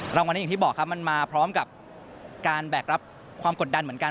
รางวัลนี้อย่างที่บอกครับมันมาพร้อมกับการแบกรับความกดดันเหมือนกัน